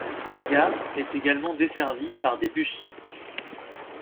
La gare est également desservie par des bus.